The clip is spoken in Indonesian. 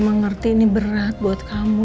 mama ngerti ini berat buat kamu